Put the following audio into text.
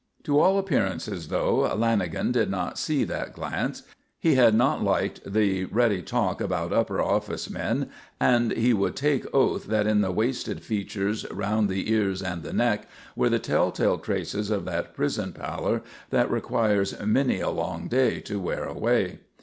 To all appearances, though, Lanagan did not see that glance. He had not liked the ready talk about upper office men; and he would take oath that in the wasted features, round the ears and the neck, were the tell tale traces of that prison pallor that requires many a long day to wear away.